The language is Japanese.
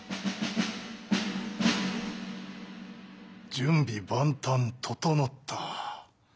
準備万端整った。